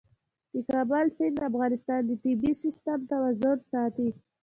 د کابل سیند د افغانستان د طبعي سیسټم توازن ساتي.